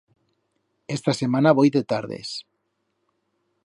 Esta semana voi de tardes.